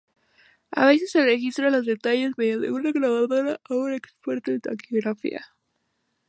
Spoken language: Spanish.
A veces se registran los detalles mediante una grabadora, o un experto en taquigrafía.